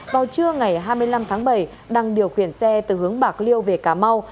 vào trưa ngày hai mươi năm tháng bảy đăng điều khiển xe từ hướng bạc liêu về cà mau